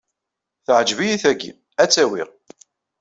Teɛǧeb-iyi tagi. Ad tt-awiɣ.